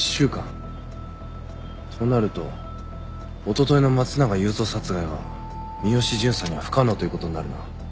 となるとおとといの松永雄三殺害は三好巡査には不可能という事になるな。